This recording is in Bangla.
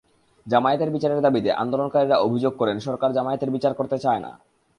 জামায়াতের বিচারের দাবিতে আন্দোলনকারীরা অভিযোগ করেন, সরকার জামায়াতের বিচার করতে চায় না।